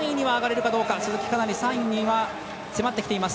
鈴木３位には迫ってきています。